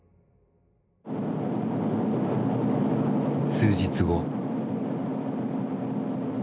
数日後。